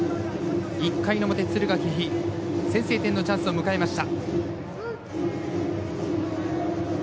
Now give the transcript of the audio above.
１回の表、敦賀気比先制点のチャンスを迎えました。